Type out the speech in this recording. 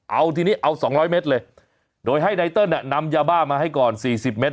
เอาทีนี้เอา๒๐๐เมตรเลยโดยให้ไนเติ้ลนำยาบ้ามาให้ก่อน๔๐เมตร